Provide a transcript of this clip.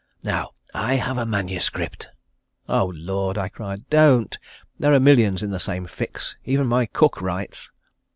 Now I have a manuscript " "Oh Lord!" I cried. "Don't. There are millions in the same fix. Even my cook writes."